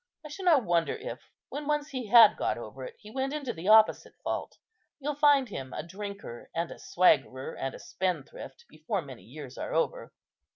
I should not wonder if, when once he had got over it, he went into the opposite fault. You'll find him a drinker and a swaggerer and a spendthrift before many years are over."